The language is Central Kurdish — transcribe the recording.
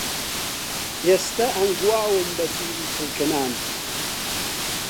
ئێستە ئەنگواوم بەتیری چڵکنان